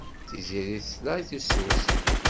Tiziri tesla i tusut.